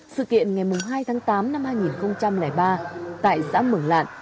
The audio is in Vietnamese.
sự kiện ngày hai tháng tám năm hai nghìn ba tại xã mường lạn